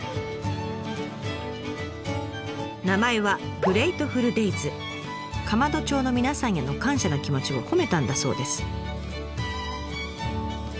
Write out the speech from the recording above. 名前は釜戸町の皆さんへの感謝の気持ちを込めたんだそうです。